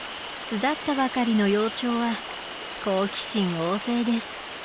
巣立ったばかりの幼鳥は好奇心旺盛です。